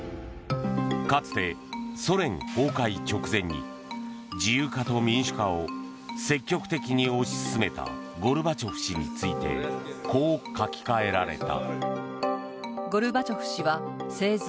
かつてソ連崩壊直前に自由化と民主化を積極的に推し進めたゴルバチョフ氏についてこう書き換えられた。